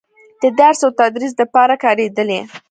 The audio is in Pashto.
د درس و تدريس دپاره کارېدلې